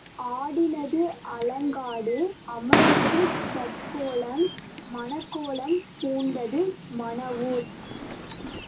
ஆடினது ஆலங்காடு அமர்ந்தது தக்கோலம் மணக்கோலம் பூண்டது மணவூர்.